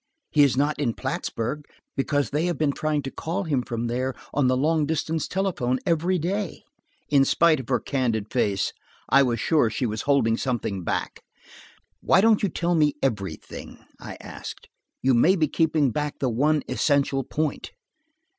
He is not at Plattsburg, because they have been trying to call him from there on the long distance telephone every day." In spite of her candid face I was sure she was holding something back. "Why don't you tell me everything?" I asked, "You may be keeping back the one essential point."